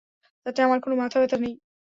তাতে আমার কোনো মাথাব্যথা নেই।